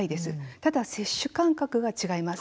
ただ接種間隔が違います。